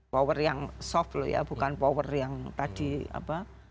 power yang soft loh ya bukan power yang tadi apa